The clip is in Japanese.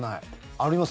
あります？